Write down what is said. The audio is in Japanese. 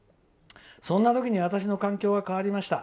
そんなときに私の環境が変わりました。